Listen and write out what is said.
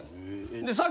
でさっき。